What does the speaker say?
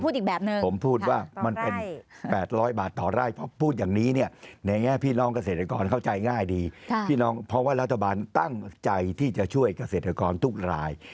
แต่อาจารย์พูดอีกแบบหนึ่งผมพูดว่ามันเป็น๘๐๐บาทต่อไร้